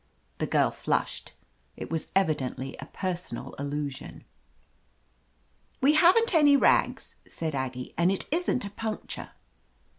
The girl flushed. It was evidently a personal allusion. "We haven't any rags," said Aggie, "and it isn't a puncture."